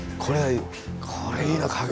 これいいな「陽炎」